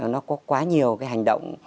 nó có quá nhiều cái hành động